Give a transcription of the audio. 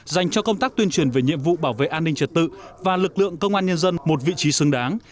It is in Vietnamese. dành cho công tác tuyên truyền về nhiệm vụ bảo vệ an ninh trật tự và lực lượng công an nhân dân một vị trí xứng đáng